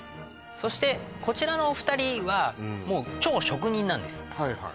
そしてこちらのお二人はもう超職人なんですはい